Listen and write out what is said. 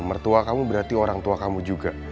mertua kamu berarti orang tua kamu juga